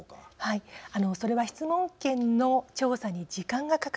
それは質問権の調査に時間がかかったからなんです。